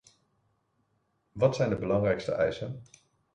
Wat zijn de belangrijkste eisen?